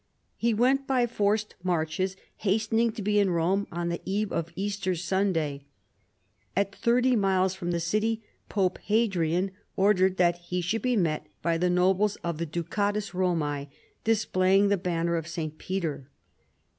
He went by forced marches, hastening to be in Rome on the eve of Easter Sunday. At thirty miles from the city. Pope Hadrian ordered that he should be met by the nobles of the Ducatus Rornae, displaying the banner of St. Peter.